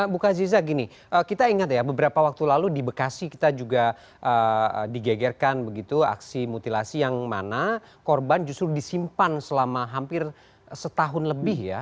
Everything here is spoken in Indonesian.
bu kaziza gini kita ingat ya beberapa waktu lalu di bekasi kita juga digegerkan begitu aksi mutilasi yang mana korban justru disimpan selama hampir setahun lebih ya